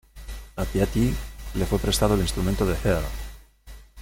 A Piatti le fue prestado el instrumento de Herr.